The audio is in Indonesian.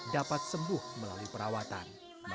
dapat sembuh melalui perawatan